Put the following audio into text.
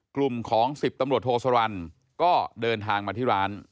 กลุ่มของ๑๐ตำรวจโทสรรค์ก็เดินทางมาที่ร้าน